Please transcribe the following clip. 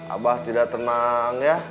abah tidak tenang ya